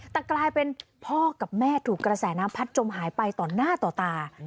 แต่กลายเป็นพ่อกับแม่ถูกกระแสน้ำพัดจมหายไปต่อหน้าต่อตา